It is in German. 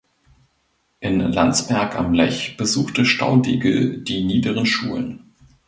In Landsberg am Lech besuchte Staudigl die niederen Schulen.